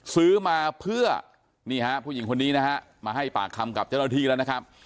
ซื้อมาเพื่อนี่ฮะผู้หญิงคนนี้นะฮะมาให้ปากคำกับเจ้าหน้าที่แล้วนะครับ